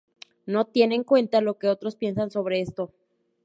No tiene en cuenta, lo que otros piensan sobre esto